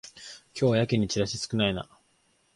今日はやけにチラシ少ないな